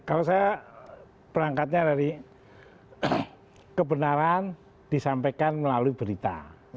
kalau saya berangkatnya dari kebenaran disampaikan melalui berita